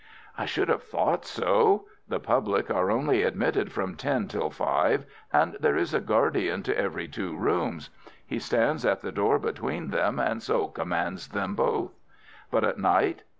"I should have thought so. The public are only admitted from ten till five, and there is a guardian to every two rooms. He stands at the door between them, and so commands them both." "But at night?"